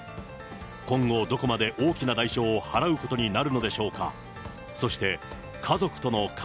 今後、どこまで大きな代償を払うことになるのでしょうか。